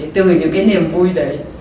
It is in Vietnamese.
từ những cái niềm vui đấy